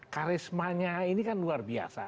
karismanya ini kan luar biasa